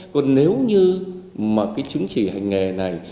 còn nếu như mà cái chứng chỉ hành nghề này